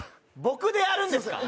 僕でやるんですか？